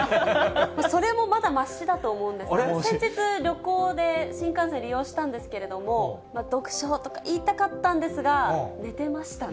それもまだましだと思うんですけど、先日、旅行で新幹線利用したんですけれども、読書とか言いたかったんですが、寝てましたね。